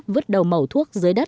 vứt đầu mẩu thuốc